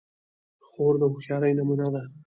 خور د هوښیارۍ نمونه ده.